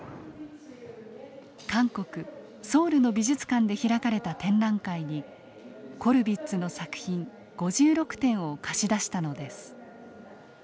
韓国・ソウルの美術館で開かれた展覧会にコルヴィッツの作品５６点を貸し出したのです。